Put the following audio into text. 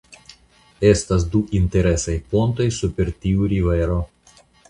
Estas du interesaj pontoj super tiu rivero.